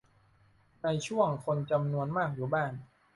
ในช่วงคนจำนวนมากอยู่บ้าน